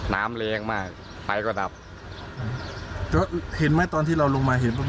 น้ำแรงมากไฟก็ดับเห็นไหมตอนที่เราลงมาเห็นตรงนี้